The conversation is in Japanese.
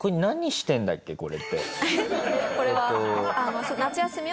これは。